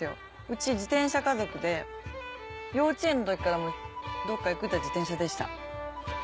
うち自転車家族で幼稚園の時からどっか行くっていったら自転車でした。